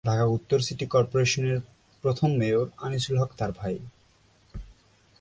ঢাকা উত্তর সিটি কর্পোরেশনের প্রথম মেয়র আনিসুল হক তার ভাই।